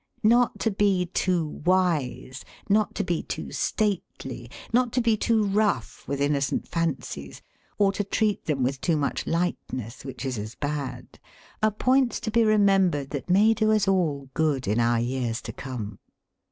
Not to be too wise, not to be too stately, not to be too rough with innocent fancies, or to treat them with too much light ness— which is as bad — are points to be re membered that may do us all good in our years to come.